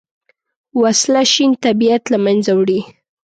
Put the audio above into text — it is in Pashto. وسله شین طبیعت له منځه وړي